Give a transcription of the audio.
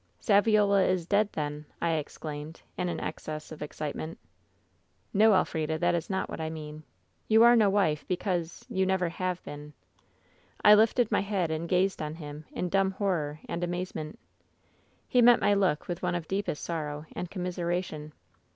" ^Saviola is dead, then !' I exclaimed, in an access of excitement. " ^No, Elfrida ; that is not what I mean. You ar© no wife, because — ^vou never have been.' "I lifted my head and gazed on him in dumb horror and amazement. "He met my look with one of deepest sorrow and commiseration.